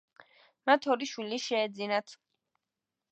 მათ ორი შვილი შეეძინათ.